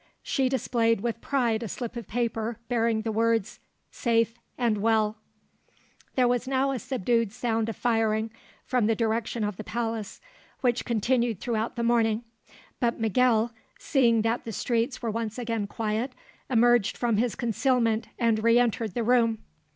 She displayed with pride a slip of paper, bearing the words, Safe and well. There was now a subdued sound of firing, from the direction of the palace, which continued throughout the morning; but Miguel, seeing that the streets were again quiet, emerged from his concealment and re entered the room.